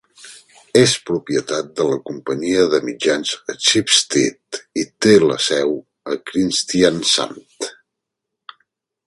És propietat de la companyia de mitjans Schibsted i té la seu a Kristiansand.